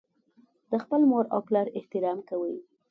د خپل مور او پلار احترام کوي.